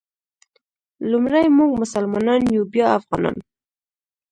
لومړی مونږ مسلمانان یو بیا افغانان.